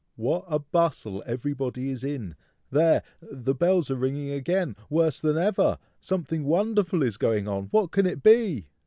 What a bustle everybody is in! There! the bells are ringing again, worse than ever! Something wonderful is going on! what can it be!"